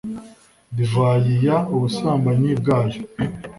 divayi y ubusambanyi bwayo